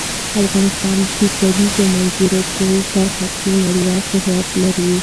افغانستان د د کلیزو منظره په برخه کې نړیوال شهرت لري.